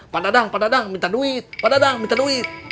padahal padahal minta duit